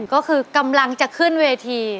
ก็คือกำลังจะขึ้นเวที